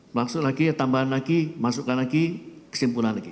masuk lagi tambahan lagi masukkan lagi kesimpulan lagi